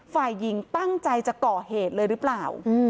ฝ่ายหญิงตั้งใจจะก่อเหตุเลยหรือเปล่า